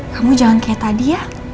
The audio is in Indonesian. kamu jangan kayak tadi ya